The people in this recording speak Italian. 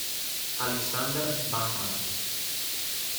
Alexander Bachmann